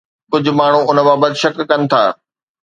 ڪجهه ماڻهو ان بابت شڪ ڪن ٿا.